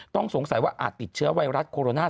ต้องสงสัยว่าอาจติดเชื้อไวรัสโคโรนา